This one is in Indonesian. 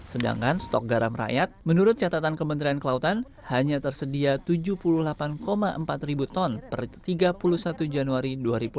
sedangkan stok garam rakyat menurut catatan kementerian kelautan hanya tersedia tujuh puluh delapan empat ribu ton per tiga puluh satu januari dua ribu dua puluh